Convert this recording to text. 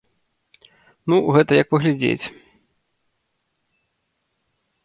Ну, гэта як паглядзець.